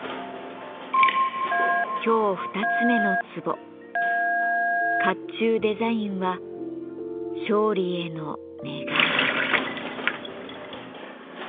今日２つ目の壺「甲冑デザインは勝利への願い」。